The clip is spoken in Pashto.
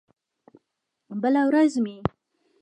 بله ورځ مې